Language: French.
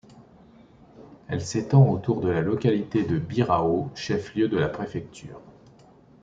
Elle s’étend autour de la localité de Birao, chef-lieu de la préfecture.